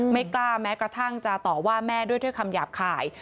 ไม่กล้าแม้กระทั่งจะต่อว่าแม่ด้วยคำหยาบคาย